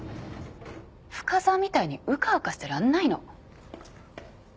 深澤みたいにうかうかしてらんないの。